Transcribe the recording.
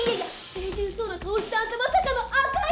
清純そうな顔してあんたまさかの赤色って！